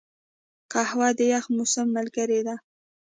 قهوه د یخ موسم ملګرې ده